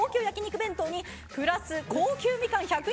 弁当にプラス高級みかん１００人